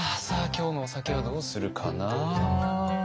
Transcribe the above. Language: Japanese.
さあ今日のお酒はどうするかな。